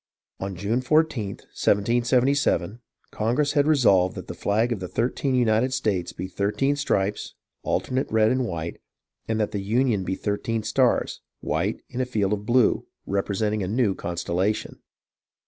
On June 14th, 1777, Congress had "resolved that the flag of the thirteen United States be thirteen stripes, alternate red and white ; that the Union be thirteen stars, white in a blue field, representing a new constellation."